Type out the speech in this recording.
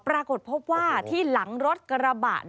ปรากฏพบว่าที่หลังรถกระบะ